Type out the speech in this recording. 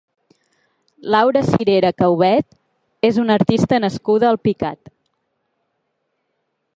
Laura Cirera Caubet és una artista nascuda a Alpicat.